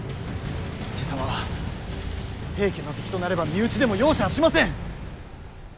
爺様は平家の敵となれば身内でも容赦はしません。